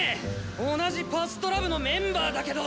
同じパズドラ部のメンバーだけど。